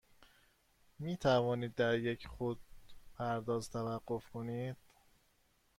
می توانید در یک خودپرداز توقف کنید؟